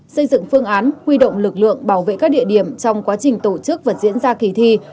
xây dựng phương án huy động lực lượng bảo vệ các địa điểm trong quá trình tổ chức và diễn ra kỳ thi